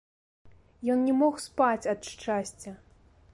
Ён не мог спаць ад шчасця.